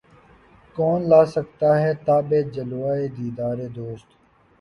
کون لا سکتا ہے تابِ جلوۂ دیدارِ دوست